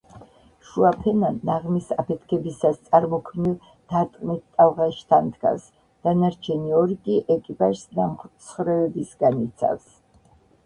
შუა ფენა ნაღმის აფეთქებისას წარმოქმნილ დარტყმით ტალღას შთანთქავს, დანარჩენი ორი კი ეკიპაჟს ნამსხვრევებისგან იცავს.